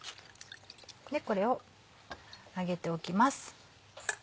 でこれを上げておきます。